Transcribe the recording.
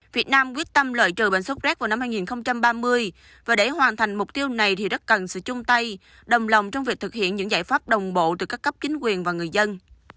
việt nam quyết tâm loại trừ bệnh sốc rét vào năm hai nghìn ba mươi và để hoàn thành mục tiêu này thì rất cần sự chung tay đồng lòng trong việc thực hiện những giải pháp đồng bộ từ các cấp chính quyền và người dân